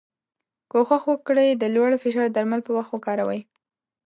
کوښښ وکړی د لوړ فشار درمل په وخت وکاروی.